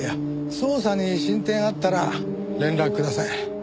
捜査に進展あったら連絡ください。